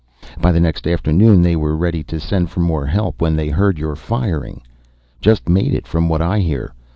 By the next afternoon they were ready to send for more help when they heard your firing. Just made it, from what I hear.